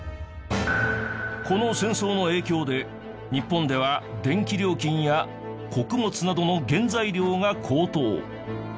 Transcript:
この戦争の影響で日本では電気料金や穀物などの原材料が高騰。